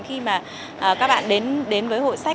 khi mà các bạn đến với hội sách